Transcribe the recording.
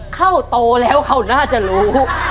โตแล้วเขาน่าจะรู้